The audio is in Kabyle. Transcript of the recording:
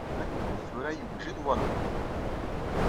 Nezmer ad d-nini, tura, yewjed walbum.